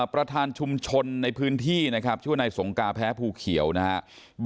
ประธานชุมชนในพื้นที่นะครับชื่อว่านายสงกาแพ้ภูเขียวนะครับ